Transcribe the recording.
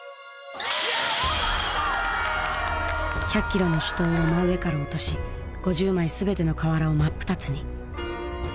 １００キロの手刀を真上から落とし５０枚全ての瓦を真っ二つに。